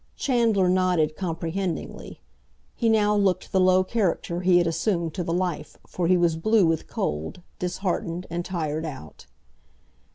Chandler nodded comprehendingly. He now looked the low character he had assumed to the life, for he was blue with cold, disheartened, and tired out.